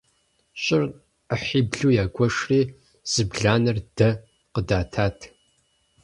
ЩӀыр Ӏыхьиблу ягуэшри, зы бланэр дэ къыдатат.